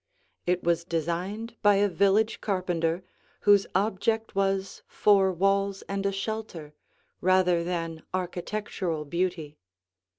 It was designed by a village carpenter whose object was four walls and a shelter rather than architectural beauty.